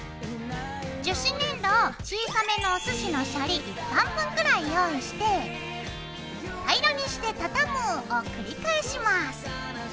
樹脂粘土を小さめのおすしのシャリ１貫分ぐらい用意して平らにして畳むを繰り返します。